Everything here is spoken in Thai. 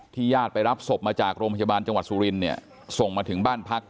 ญาติไปรับศพมาจากโรงพยาบาลจังหวัดสุรินเนี่ยส่งมาถึงบ้านพัก